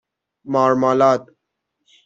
مارمالاد